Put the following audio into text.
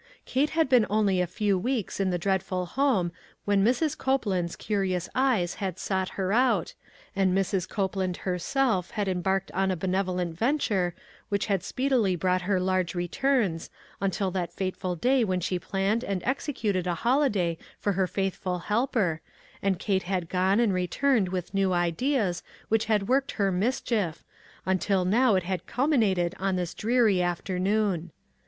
Kate had been only a few weeks in the dreadful home when Mrs. Copeland's curious eyes had sought her out, and Mrs. Copeland herself had embarked on a benevolent venture, which had speedily brought her large returns, until that fatal day when she planned and executed a holiday for her faithful helper, and Kate had gone and returned with new ideas which had worked her mischief, until now it had culminated on this dreary afternoon.